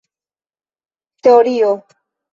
teorio